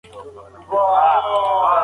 آیا مرغۍ په انګړ کې دانې خوري؟